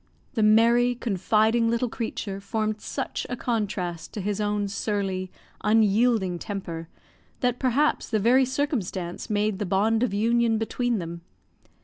The merry, confiding little creature formed such a contrast to his own surly, unyielding temper, that, perhaps, that very circumstance made the bond of union between them.